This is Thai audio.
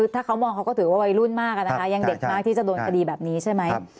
ถ้าเขามองเขาก็ถือว่าวัยรุ่นมากอะนะคะยังเด็กมากที่จะโดนคดีแบบนี้ใช่ไหม